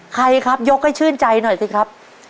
ใครครับยกให้ชื่นใจหน่อยสิครับ